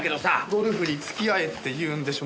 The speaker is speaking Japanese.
ゴルフに付き合えって言うんでしょ。